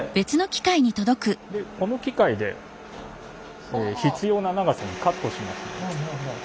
でこの機械で必要な長さにカットします。